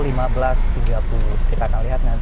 kita akan lihat nanti akan sampai di jam berapa